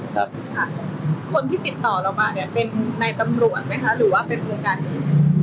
คนที่ติดต่อเรามาเนี่ยเป็นนายตำรวจไหมคะหรือว่าเป็นโครงการอื่น